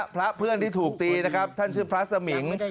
พระเพื่อนที่ถูกตีนะครับท่านชื่อพระสมิง